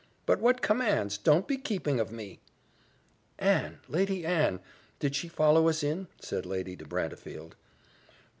But what commands? don't be keeping of me." "Anne! Lady Anne! Did she follow us in?" said Lady de Brantefield.